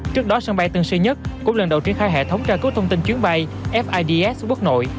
trước đó sân bay tân sơn nhất cũng lần đầu triển khai hệ thống tra cứu thông tin chuyến bay fids bốc nội